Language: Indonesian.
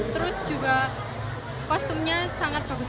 terus juga kostumnya sangat bagus